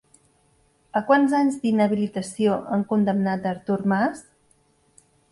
A quants anys d'inhabilitació han condemnat a Artur Mas?